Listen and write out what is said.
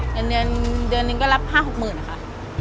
เงินเดือนนึงก็รับ๕๖หมื่นค่ะ